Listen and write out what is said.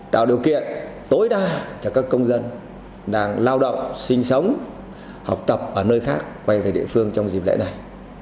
tạo điều kiện tối đa cho các công dân đang lao động sinh sống học tập ở nơi khác quay về địa phương trong dịp lễ này